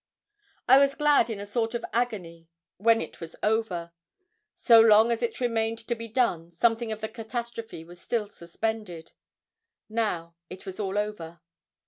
I was glad in a sort of agony when it was over. So long as it remained to be done, something of the catastrophe was still suspended. Now it was all over.